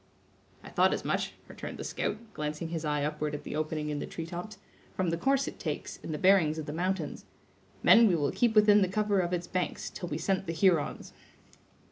"I thought as much," returned the scout, glancing his eye upward at the opening in the tree tops, "from the course it takes, and the bearings of the mountains. Men, we will keep within the cover of its banks till we scent the Hurons."